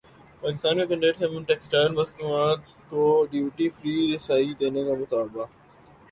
پاکستان کاکینیڈا سے ٹیکسٹائل مصنوعات کو ڈیوٹی فری رسائی دینے کامطالبہ